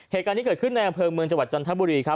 เหตุการณ์นี้เกิดขึ้นในอำเภอเมืองจังหวัดจันทบุรีครับ